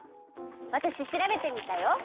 わたししらべてみたよ！